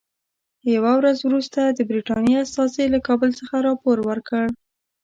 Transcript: یوه ورځ وروسته د برټانیې استازي له کابل څخه راپور ورکړ.